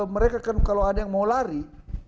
mereka kan kalau ada yang mau lari